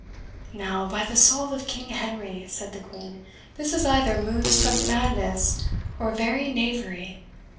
"Now, by the soul of King Henry," said the Queen, "this is either moonstruck madness or very knavery!